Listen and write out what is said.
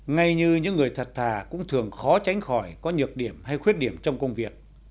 ngay như những người thật thà cũng thường khó tránh khỏi có nhược điểm hay khuyết điểm trong công việc